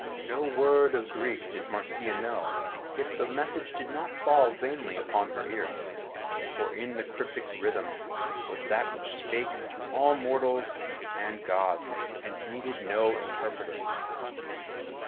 No word of Greek did Marcia know, yet did the message fall not vainly upon her ears; for in the cryptic rhythm was that which spake to all mortals and Gods, and needed no interpreter.